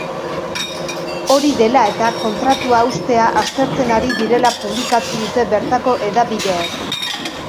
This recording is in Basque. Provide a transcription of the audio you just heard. Hori dela eta, kontratua haustea aztertzen ari direla publikatu dute bertako hedabideek.